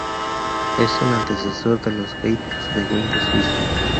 Es el antecesor de los Gadgets de Windows Vista.